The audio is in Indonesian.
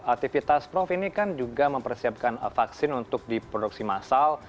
aktivitas prof ini kan juga mempersiapkan vaksin untuk diproduksi massal